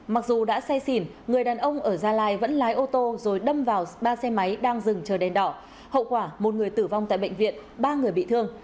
mặc dù đã say xỉn người đàn ông ở gia lai vẫn lái ô tô rồi đâm vào ba xe máy đang dừng chờ đèn đỏ hậu quả một người tử vong tại bệnh viện ba người bị thương